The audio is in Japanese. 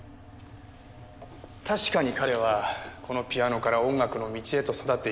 確かに彼はこのピアノから音楽の道へと育っていきました。